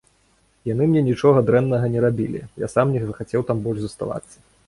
Яны мне нічога дрэннага не рабілі, я сам не захацеў там больш заставацца.